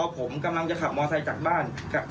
คุณหมองหน้ากลูก